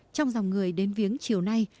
trong dòng người đến viếng chiều nay